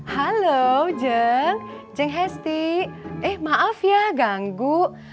halo jeng jeng hesti eh maaf ya ganggu